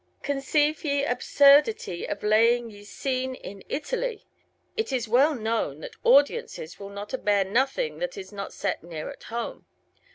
Conceive ye Absuerditye of laying ye Sceane in Italy, it ys welle knowne that Awdiences will not abear nothyng that is not sett neare at Home.